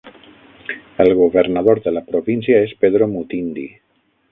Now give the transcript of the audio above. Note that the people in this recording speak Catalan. El governador de la província és Pedro Mutindi.